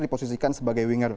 diposisikan sebagai winger